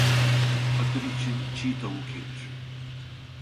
Hatır için çiğ tavuk yenir.